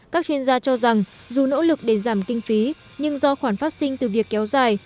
các chuyên gia cho rằng dù nỗ lực để giảm kinh phí nhưng do khoản phát sinh từ việc kéo dài